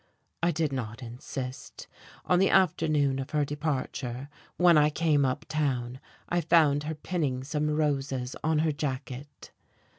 I did not insist.... On the afternoon of her departure, when I came uptown, I found her pinning some roses on her jacket.